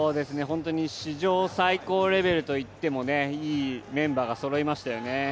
史上最高レベルといってもいいメンバーがそろいましたよね。